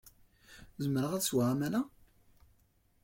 Zemreɣ ad sweɣ aman-a?